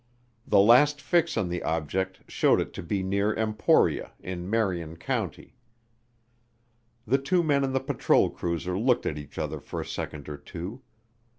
The last fix on the object showed it to be near Emporia, in Marion County. The two men in the patrol cruiser looked at each other for a second or two.